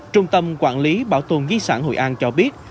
trung tâm quản lý bảo tồn di sản hội an cho biết